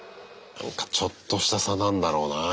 なんかちょっとした差なんだろうな。